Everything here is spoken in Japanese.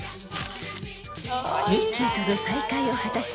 ［ミッキーとの再会を果たし